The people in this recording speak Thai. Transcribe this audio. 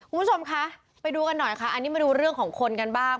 คุณผู้ชมคะไปดูกันหน่อยค่ะอันนี้มาดูเรื่องของคนกันบ้าง